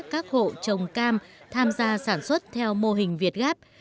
các hộ trồng cam tham gia sản xuất theo mô hình việt gáp